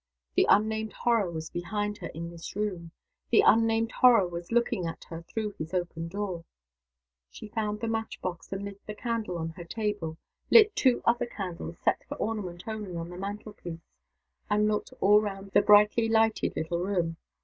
The unnamed Horror was behind her in his room. The unnamed Horror was looking at her through his open door. She found the match box, and lit the candle on her table lit the two other candles set for ornament only on the mantle piece and looked all round the brightly lighted little room.